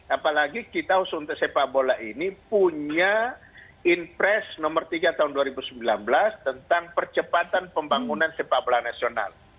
apalagi kita khusus untuk sepak bola ini punya inpres nomor tiga tahun dua ribu sembilan belas tentang percepatan pembangunan sepak bola nasional